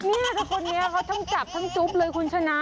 เนี่ยคนนี้เขาทั้งจับทั้งจุ๊บเลยคุณชนะ